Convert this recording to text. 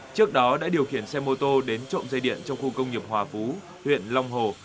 trước đó đã điều khiển xe mô tô đến trộm dây điện trong khu công nghiệp hòa phú huyện long hồ